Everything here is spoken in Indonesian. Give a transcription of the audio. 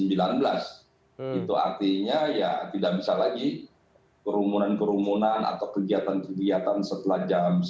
itu artinya ya tidak bisa lagi kerumunan kerumunan atau kegiatan kegiatan setelah jam sembilan